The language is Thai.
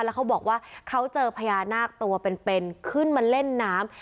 แล้วเขาบอกว่าเขาเจอพญานาคตัวเป็นขึ้นมาเล่นน้ำ